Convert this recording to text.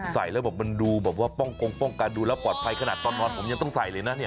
ใส่แล้วแบบมันดูแบบว่าป้องกงป้องกันดูแล้วปลอดภัยขนาดตอนนอนผมยังต้องใส่เลยนะเนี่ย